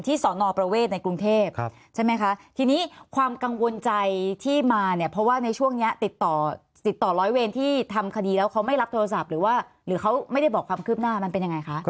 ที่สอนประเวทในกรุงเทพฯ